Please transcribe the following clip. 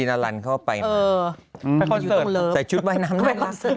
นักร้องเยอะมากเลยใช่มั้ย